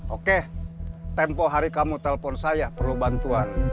oke tempoh hari kamu telpon saya perlu bantuan